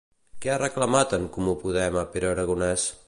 Què ha reclamat En Comú Podem a Pere Aragonès?